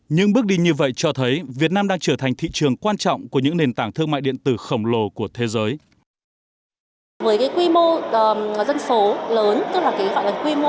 những bước đi như vậy cho thấy việt nam đang trở thành thị trường quan trọng của những nền tảng thương mại điện tử khổng lồ của thế giới